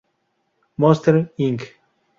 Monsters, Inc.